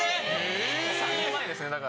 ３年前ですねだから。